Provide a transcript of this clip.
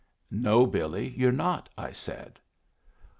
"No, Billy, you're not," I said.